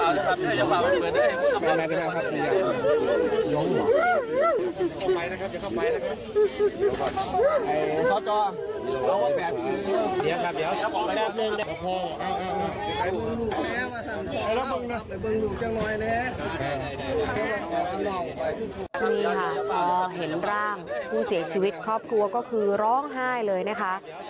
นี่แหละค่ะพอเห็นร่างผู้เสียชีวิตครอบครัวก็คือร้องไห้เลยนะคะ